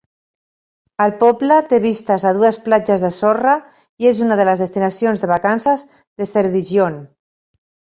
El poble té vistes a dues platges de sorra i és una de les destinacions de vacances de Ceredigion.